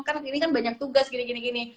karena ini kan banyak tugas gini gini